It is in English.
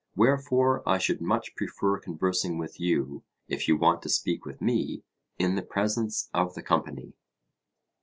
Wherefore I should much prefer conversing with you, if you want to speak with me, in the presence of the company.